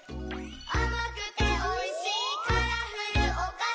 「あまくておいしいカラフルおかし」